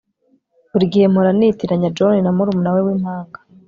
buri gihe mpora nitiranya john na murumuna we w'impanga